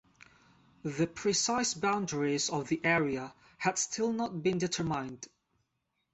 The precise boundaries of the area had still not been determined.